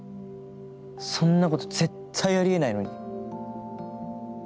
そんなこと絶対あり得ないのに。